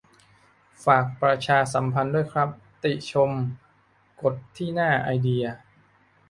ฝากประชาสัมพันธ์ด้วยครับ ติชมกดที่หน้า "ไอเดีย"